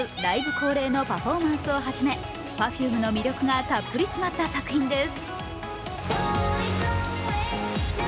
恒例のパフォーマンスをはじめＰｅｒｆｕｍｅの魅力がたっぷり詰まった作品です。